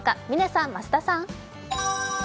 嶺さん、増田さん。